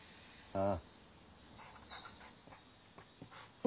ああ。